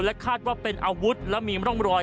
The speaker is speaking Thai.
คาดว่าเป็นอาวุธและมีร่องรอย